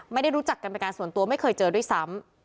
ไม่ได้รู้จักกันเป็นการส่วนตัวไม่เคยเจอด้วยซ้ำ